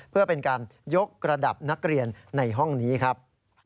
เพื่อเป็นการยกระดับนักเรียนในห้องนี้ครับ